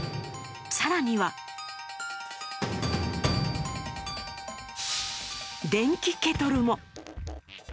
更には電気ケトルも。